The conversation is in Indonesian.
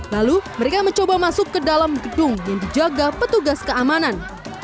lalu mereka mencoba masuk ke dalam gedung yang dijaga petugas keamanan